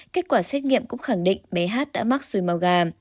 kết quả xét nghiệm cũng khẳng định bé hát đã mắc xùi màu gà